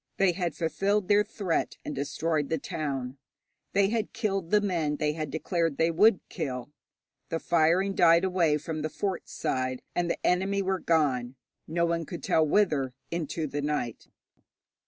They had fulfilled their threat and destroyed the town. They had killed the men they had declared they would kill. The firing died away from the fort side, and the enemy were gone, no one could tell whither, into the night.